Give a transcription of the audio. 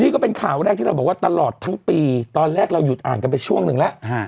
นี่ก็เป็นข่าวแรกที่เราบอกว่าตลอดทั้งปีตอนแรกเราหยุดอ่านกันไปช่วงหนึ่งแล้ว